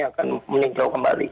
akan meninjau kembali